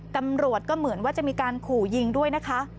ตำรวจก็เหมือนว่าจะมีการขู่ยิงด้วยนะคะ